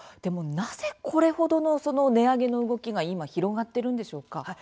なぜ、これほどの値上げの動きが今、広がっているのでしょうか。